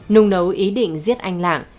nung đấu ý định giết anh lạng